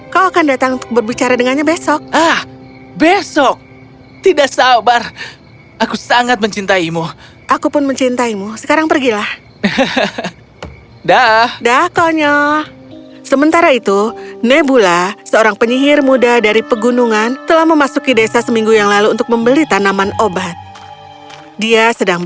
kerajaan yang sangat jauh